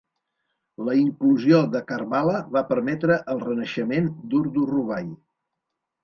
La inclusió de Karbala va permetre el renaixement d"Urdu Rubai.